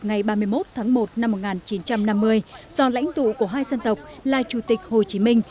ngày ba mươi một tháng một năm một nghìn chín trăm năm mươi do lãnh tụ của hai dân tộc là chủ tịch hồ chí minh